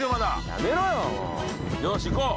やめろよもうよし行こう！